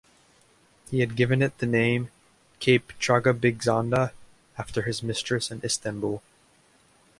He had given it the name "Cape Tragabigzanda", after his mistress in Istanbul.